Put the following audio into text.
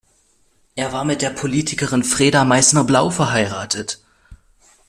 Er war mit der Politikerin Freda Meissner-Blau verheiratet.